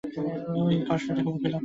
ওর ঐ কষ্টটা আমার বুকে লাগছে।